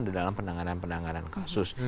dalam penanganan penanganan kasus